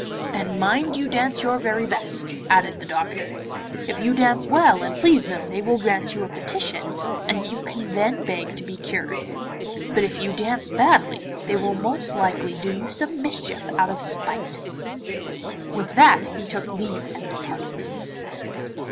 'And mind you dance your very best,' added the doctor. 'If you dance well and please them they will grant you a petition and you can then beg to be cured; but if you dance badly they will most likely do you some mischief out of spite.' With that he took leave and departed.